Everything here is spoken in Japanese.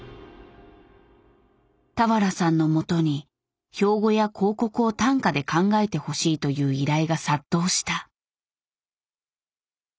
俵さんのもとに標語や広告を短歌で考えてほしいという依頼が殺到した。